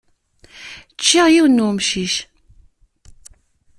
Ččiɣ yiwen n umcic.